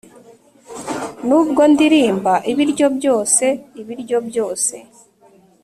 nubwo ndirimba, ibiryo byose, ibiryo byose,